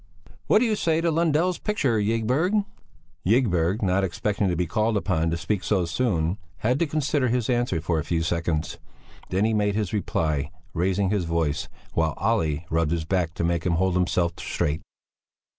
"What do you say to Lundell's picture, Ygberg?" Ygberg, not expecting to be called upon to speak so soon, had to consider his answer for a few seconds. Then he made his reply, raising his voice, while Olle rubbed his back to make him hold himself straight.